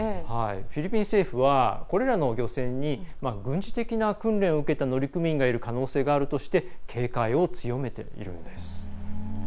フィリピン政府はこれらの漁船に軍事的な訓練を受けた乗組員がいる可能性があるとして警戒を強めているんです。